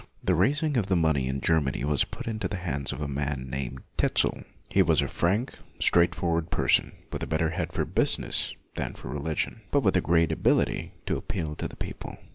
The raising of this money in Germany was put into the hands of a man named Tetzel. He was a frank, straightforward person, with a better head for business than for religion, but with a great ability to appeal to the people.